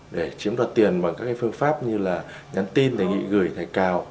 để chiếm đoạt tiền bằng các phương pháp như là nhắn tin đề nghị gửi thầy cào